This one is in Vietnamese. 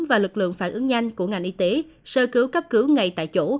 và lực lượng phản ứng nhanh của ngành y tế sơ cứu cấp cứu ngay tại chỗ